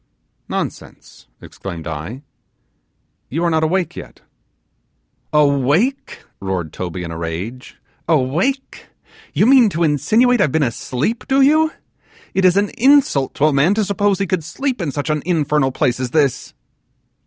'Nonsense!' exclaimed I; 'You are not awake yet.' 'Awake!' roared Toby in a rage, 'awake! You mean to insinuate I've been asleep, do you? It is an insult to a man to suppose he could sleep in such an infernal place as this.